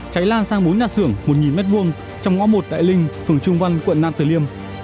cháy lan sang bốn nhà xưởng một m hai trong ngõ một đại linh phường trung văn quận nam tử liêm